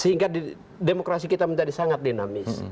sehingga demokrasi kita menjadi sangat dinamis